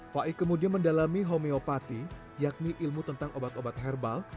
fai kemudian mendalami homeopati yakni ilmu tentang obat obat herbal